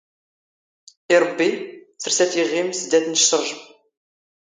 ⵉ ⵕⴱⴱⵉ, ⵙⵔⵙⴰⵜ ⵉⵖⵉⵎⵏ ⵙⴷⴰⵜ ⵏ ⵛⵛⵕⵊⵎ.